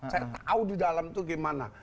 saya tahu di dalam itu gimana